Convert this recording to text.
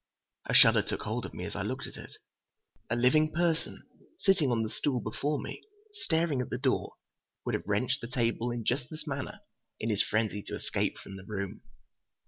A shudder took hold of me as I looked at it. A living person, sitting on the stool before me, staring at the door, would have wrenched the table in just this manner in his frenzy to escape from the room!